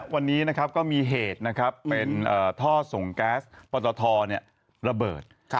วันนี้ก็มีเหตุเป็นท่อส่งแก๊สปตทระเบิด